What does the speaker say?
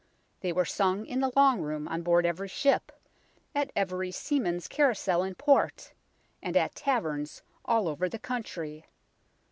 They were sung in the longroom on board every ship, at every seamen's carousal in port, and at taverns all over the country.